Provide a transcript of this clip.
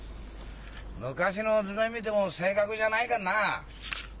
昔の図面見ても正確じゃないからなあ。